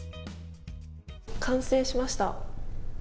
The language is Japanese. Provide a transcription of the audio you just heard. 完成しました。